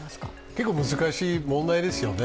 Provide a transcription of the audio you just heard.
結構難しい問題ですよね。